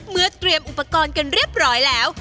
เมื่อเตรียมอุปกรณ์กันเรียบร้อยแล้ว